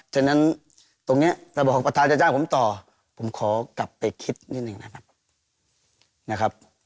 ฉะนั้นตรงนี้ระบบของประธานจะจ้างผมต่อผมขอกลับไปคิดนิดหนึ่งนะครับ